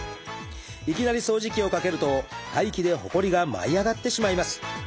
いきなり掃除機をかけると排気でほこりが舞い上がってしまいます。